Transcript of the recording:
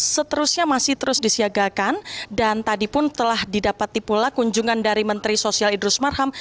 seterusnya masih terus disiagakan dan tadi pun telah didapati pula kunjungan dari menteri sosial idrus marham